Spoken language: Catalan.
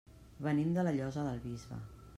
Venim de la Llosa del Bisbe.